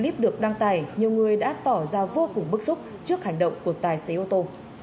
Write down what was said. mọi người đã tỏ ra vô cùng bức xúc trước hành động của tài xế ô tô